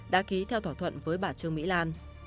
đã ký theo thỏa thuận với bà trương mỹ lan